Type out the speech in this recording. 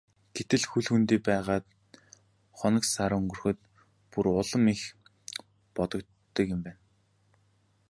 Гэтэл хол хөндий байгаад хоног сар өнгөрөх бүр улам их бодогддог юм байна.